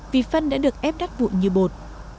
vì phân đã được ép đắt vụn như bột